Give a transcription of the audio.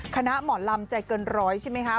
คณะหมอลำใจเกินร้อยใช่ไหมคะ